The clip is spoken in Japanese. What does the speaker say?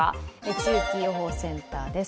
中期予報センターです。